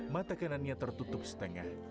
mata kanannya tertutup setengah